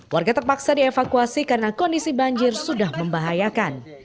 warga terpaksa dievakuasi karena kondisi banjir sudah membahayakan